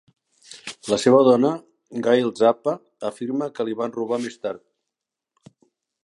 La seva dona Gail Zappa afirma que li van robar més tard.